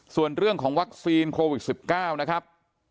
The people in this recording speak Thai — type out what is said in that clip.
ส่วนเรื่องของวัคซีนโควิด๑๙นะครับ